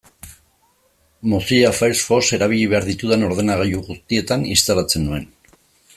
Mozilla Firefox erabili behar ditudan ordenagailu guztietan instalatzen nuen.